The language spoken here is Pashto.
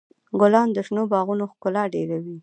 ګلان د شنو باغونو ښکلا ډېروي.